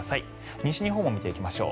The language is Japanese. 西日本も見ていきましょう。